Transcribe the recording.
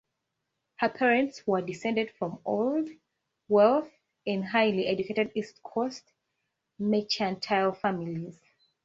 Her parents were descended from old, wealthy and highly educated East Coast mercantile families.